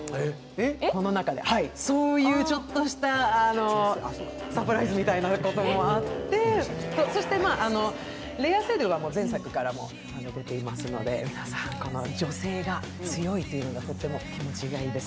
そういうちょっとしたサプライズみたいなこともあって、レア・セドゥは前作からも出ていますので、皆さんこの女性が強いというのがとっても気持ちいいです。